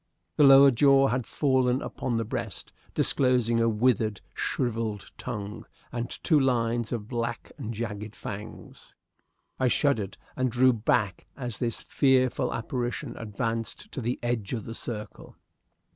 The lower jaw had fallen upon the breast, disclosing a withered, shriveled tongue and two lines of black and jagged fangs. I shuddered and drew back as this fearful apparition advanced to the edge of the circle.